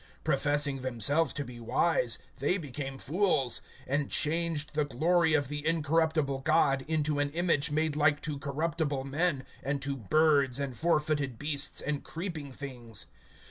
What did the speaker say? (22)Professing themselves to be wise, they became fools; (23)and changed the glory of the incorruptible God into an image made like to corruptible man, and to birds, and fourfooted beasts, and creeping things.